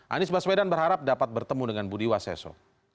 anies baswedan berharap dapat bertemu dengan budi waseso